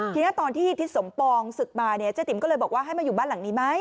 ทีนี้ตอนที่ทิศสมปองศึกมาเนี่ยเจ๊ติ๋มก็เลยบอกว่าให้มาอยู่บ้านหลังนี้ไหม